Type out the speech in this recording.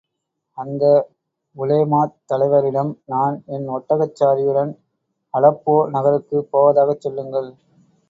அந்த உலேமாத் தலைவரிடம், நான் என் ஒட்டகச்சாரியுடன் அலெப்போ நகருக்குப் போவதாகச் சொல்லுங்கள்.